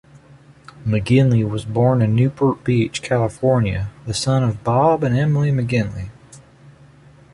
McGinley was born in Newport Beach, California, the son of Bob and Emily McGinley.